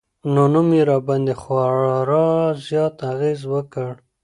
نو نوم يې راباندې خوړا زيات اغېز وکړ